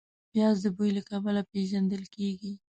پیاز د بوی له کبله پېژندل کېږي